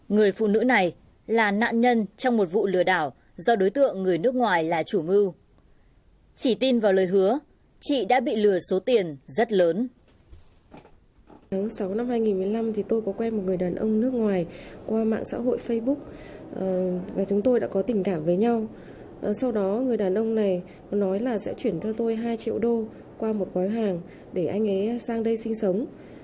người phụ nữ này là nạn nhân trong một vụ lừa đảo do đối tượng người nước ngoài là chủ mưu chỉ tin vào lời hứa chị đã bị lừa số tiền rất lớn